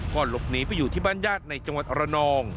หลบหนีไปอยู่ที่บ้านญาติในจังหวัดระนอง